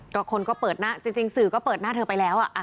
ก็คนก็เปิดหน้าจริงสื่อก็เปิดหน้าเธอไปแล้ว